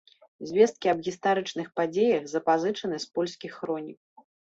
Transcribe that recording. Звесткі аб гістарычных падзеях запазычаны з польскіх хронік.